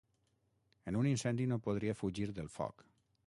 En un incendi no podria fugir del foc.